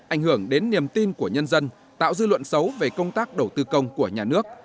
ảnh hưởng đến niềm tin của nhân dân tạo dư luận xấu về công tác đầu tư công của nhà nước